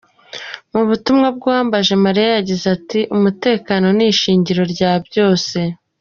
Mu butumwa bwe, Uwambajemariya yagize ati :"Umutekano ni ishingiro rya byose.